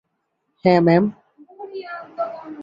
হ্যাঁ, ম্যাম।